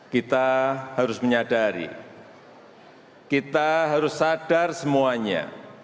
kita harus menyadari kita harus sadar semuanya